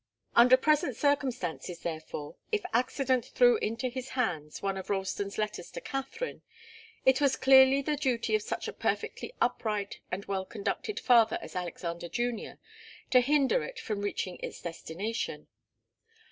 Under present circumstances, therefore, if accident threw into his hands one of Ralston's letters to Katharine, it was clearly the duty of such a perfectly upright and well conducted father as Alexander Junior to hinder it from reaching its destination.